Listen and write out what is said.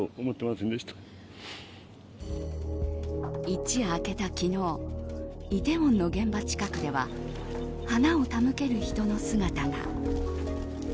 一夜明けた昨日、イテウォンの現場近くでは花を手向ける人の姿が。